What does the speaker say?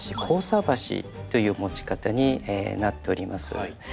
「交差箸」という持ち方になっております。